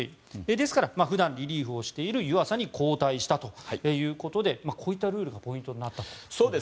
ですから、普段リリーフしている湯浅に交代したということでこういったルールがポイントになったということですね。